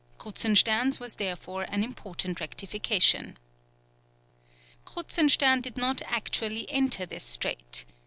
Kruzenstern's was therefore an important rectification. Kruzenstern did not actually enter this strait.